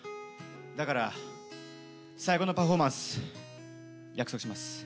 だから最高のパフォーマンス約束します。